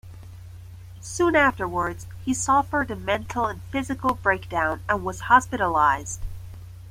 Soon afterwards, he suffered a mental and physical breakdown and was hospitalized.